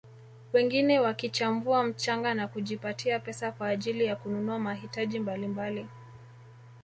Wengine wakichambua mchanga na kujipatia pesa kwa ajili ya kununua mahitaji mbalimbali